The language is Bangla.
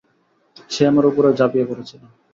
সে আমার উপরেও ঝাঁপিয়ে পড়েছিল।